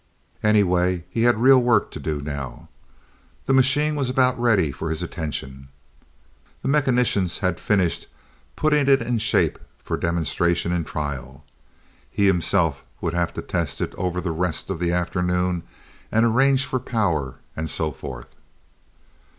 Anyway he had real work to do now. The machine was about ready for his attention. The mechanicians had finished putting it in shape for demonstration and trial. He himself would have to test it over the rest of the afternoon and arrange for power and so forth.